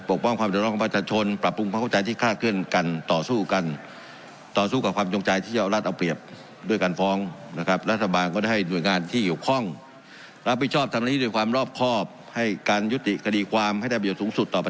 ปกป้องความสนุนของประชาชนปรับปรุงความเข้าใจที่ฆ่าเคลื่อนกัน